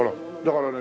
だからね